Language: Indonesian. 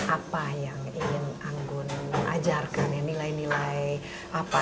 apa yang ingin anggun ajarkan ya nilai nilai apa